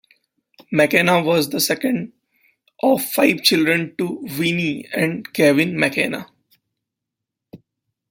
McKenna was the second of five children to Winnie and Kevin McKenna.